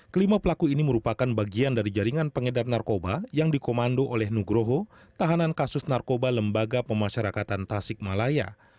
kelima pelaku ini merupakan bagian dari jaringan pengedap narkoba yang dikomando oleh nugroho tahanan kasus narkoba lembaga pemasarakatan tasikmalaya